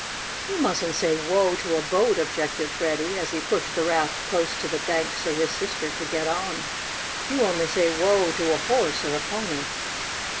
"You mustn't say 'whoa' to a boat!" objected Freddie, as he pushed the raft close to the bank, so his sister could get on. "You only say 'whoa' to a horse or a pony."